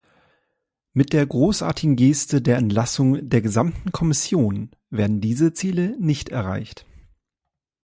Mit der großartigen Geste der Entlassung der gesamten Kommission werden diese Ziele nicht erreicht.